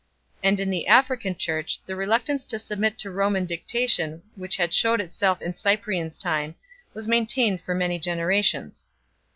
And in the African Church the reluctance to submit to Roman dic tation which had shewed itself in Cyprian s time was maintained for many generations.